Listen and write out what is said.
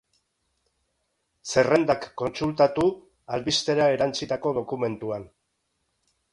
Zerrendak kontsultatu albistera erantsitako dokumentuan.